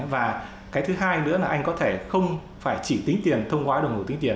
và cái thứ hai nữa là anh có thể không phải chỉ tính tiền thông qua đồng hồ tính tiền